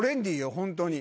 本当に。